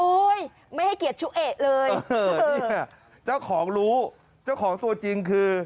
ไม่ให้เกียรติชุเอกเลยเนี่ยเจ้าของรู้เจ้าของตัวจริงคือ